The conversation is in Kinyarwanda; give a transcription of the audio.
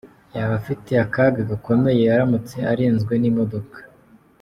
yaba afite akaga gakomeye aramutse arinzwe n’imodoka.